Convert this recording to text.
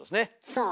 そう。